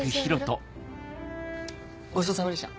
ごちそうさまでした。